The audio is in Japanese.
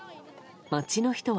街の人は。